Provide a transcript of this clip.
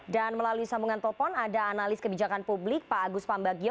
dan melalui sambungan telepon ada analis kebijakan publik pak agus pambagio